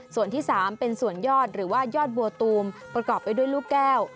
ส่วนที่๓เป็นส่วนยอดหรือว่ายอดบัวตูมประกอบไปด้วยลูกแก้ว